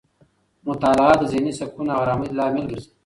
مطالعه د ذهني سکون او آرامۍ لامل ګرځي.